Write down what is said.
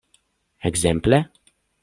Ekzemple?